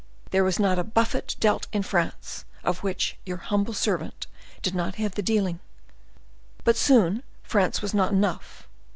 There was not a buffet dealt in France, of which your humble servant did not have the dealing; but soon France was not enough.